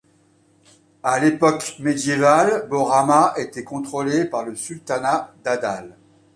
À l'époque médiévale, Borama était contrôlée par le sultanat d'Adal.